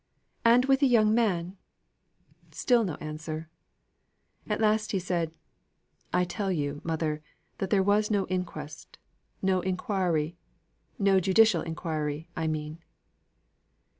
"And with a young man?" Still no answer. At last he said: "I tell you, mother, that there was no inquest no inquiry. No judicial inquiry, I mean."